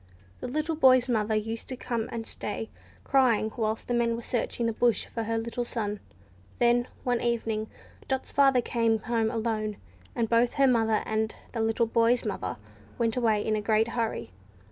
The little boy's mother used to come and stay, crying, whilst the men were searching the bush for her little son. Then, one evening, Dot's father came home alone, and both her mother and the little boy's mother went away in a great hurry.